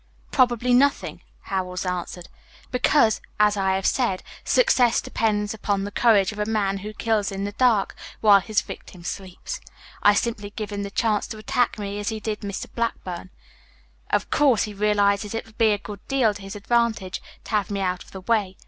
"Probably nothing," Howells answered, "because, as I have said, success depends upon the courage of a man who kills in the dark while his victim sleeps. I simply give him the chance to attack me as he did Mr. Blackburn. Of course he realizes it would be a good deal to his advantage to have me out of the way.